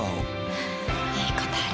はぁいいことありそう。